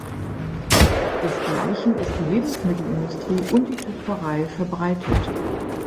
Desgleichen ist die Lebensmittelindustrie und die Töpferei verbreitet.